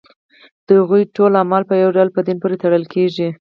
د هغوی ټول اعمال په یو ډول په دین پورې تړل کېږي.